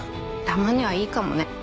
たまにはいいかもね。